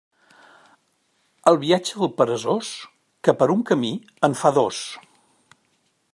El viatge del peresós, que per un camí en fa dos.